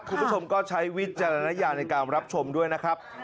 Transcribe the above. คุณผู้ชมก็ใช้วิจารณญาณในการรับชมด้วยนะครับ